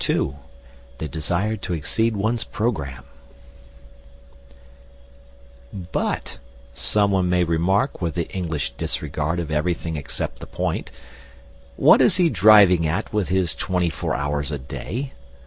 II THE DESIRE TO EXCEED ONE'S PROGRAMME "But," someone may remark, with the English disregard of everything except the point, "what is he driving at with his twenty four hours a day?